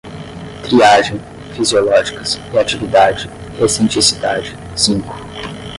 triagem, fisiológicas, reatividade, recenticidade, zinco